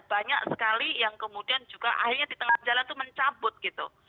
banyak sekali yang kemudian juga akhirnya di tengah jalan itu mencabut gitu